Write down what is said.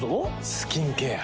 スキンケア。